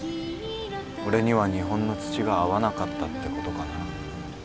俺には日本の土が合わなかったってことかな。